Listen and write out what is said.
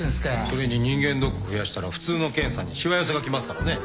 それに人間ドック増やしたら普通の検査にしわ寄せが来ますからね。